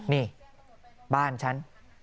นี่บ้านฉัน